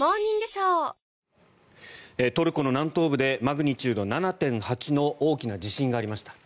トルコの南東部でマグニチュード７．８の大きな地震がありました。